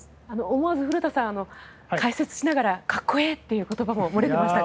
思わず古田さん解説しながら格好ええという言葉も漏れてましたが。